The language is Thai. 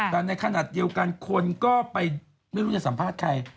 แต่ในขณะเดียวกันคนก็ไปไม่รู้จะสัมภาษณ์ใคร